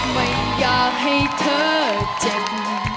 ไม่อยากให้เธอเจ็บ